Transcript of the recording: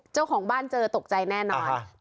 เจ้าของบ้านเจอตกใจแน่นอน